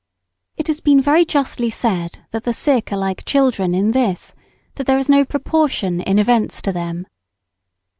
It has been very justly said that the sick are like children in this, that there is no proportion in events to them.